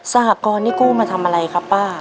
สหกรณ์นี่กู้มาทำอะไรครับป้า